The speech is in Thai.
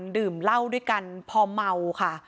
ดื่มเหล้าด้วยกันพอเมาค่ะ